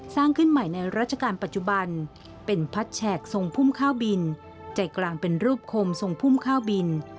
สร้างขึ้นใหม่ในราชการปัจจุบันเป็นพัดแฉกทรงพุ่มข้าวบินใจกลางเป็นรูปคมทรงพุ่มข้าวบิน